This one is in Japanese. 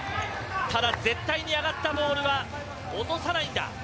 ただ、絶対に上がったボールは落とさないんだ。